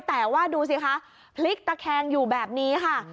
แต่ว่าดูสิคะพลิกตะแคงอยู่แบบนี้ค่ะ